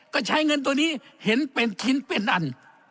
ก็ใช้เงินตัวนี้เห็นเป็นชิ้นเป็นอัน